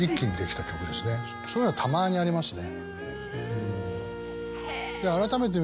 そういうのはたまにありますね。